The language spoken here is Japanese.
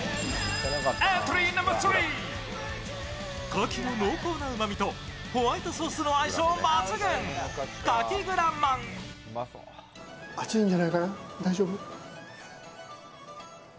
かきの濃厚なうまみとホワイトソースの相性抜群、かきグラまん。